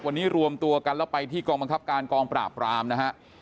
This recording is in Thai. วันนี้รวมตัวกันแล้วไปที่กองบังคับการกองปราบรามนะฮะ